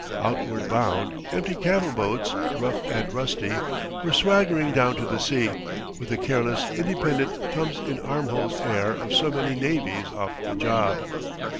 Outward bound, empty cattle boats, rough and rusty, were swaggering down to the sea, with the careless, independent thumbs in armholes air of so many navvies off the job.